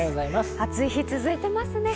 暑い日続いていますね。